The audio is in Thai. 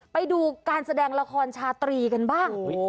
ไปดูการแสดงละครชาตรีกันบ้าง